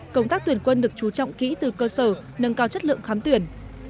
công tác tuyển quân được chú trọng kỹ từ cơ sở nâng cao chất lượng khám tuyển